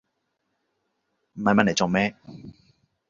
唔係問黎做咩